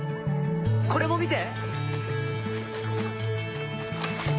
これも見て。